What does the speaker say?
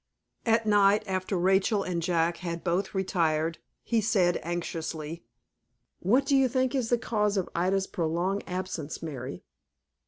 At night, after Rachel and Jack had both retired, he said, anxiously, "What do you think is the cause of Ida's prolonged absence, Mary?"